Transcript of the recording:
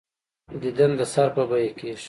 دیدن د سر په بیعه کېږي.